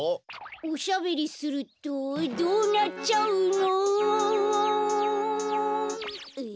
おしゃべりするとどうなっちゃうのおおおん。え？